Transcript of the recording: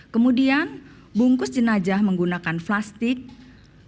kemudian bungkus jenajah menggunakan kaca untuk mengawasi penyakit